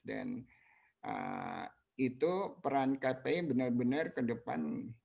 dan itu peran kpi benar benar ke depan